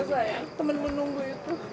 inna maaf sayang temen menunggu itu